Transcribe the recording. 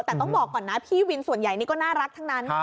แต่ต้องบอกก่อนนะพี่วินส่วนใหญ่นี่ก็น่ารักทั้งนั้น